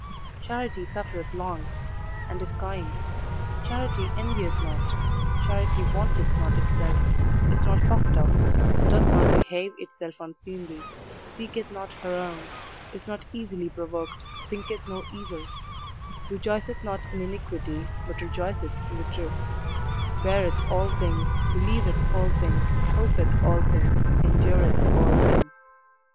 Charity suffereth long, and is kind; charity envieth not; charity vaunteth not itself, is not puffed up, doth not behave itself unseemly, seeketh not her own, is not easily provoked, thinketh no evil; rejoiceth not in iniquity, but rejoiceth in the truth; beareth all things, believeth all things, hopeth all things, endureth all things.